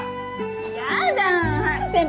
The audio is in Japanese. やだ春先輩